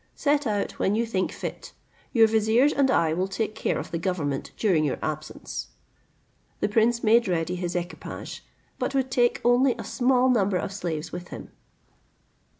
Set out when you think fit: your viziers and I will take care of the government during your absence." The prince made ready his equipage, but would take only a small number of slaves with him.